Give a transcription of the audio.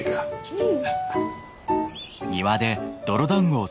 うん。